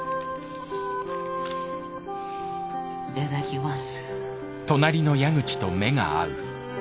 いただきます。